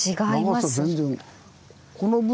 長さ全然。